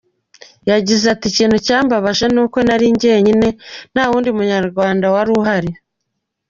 Yagize ati “Ikintu cyambabaje ni uko nari njyenyine nta wundi munyarwanda wari uhari.